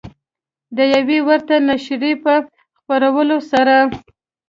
د یوې ورته نشریې په خپرولو سره